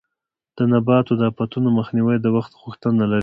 د نباتو د آفتونو مخنیوی د وخت غوښتنه لري.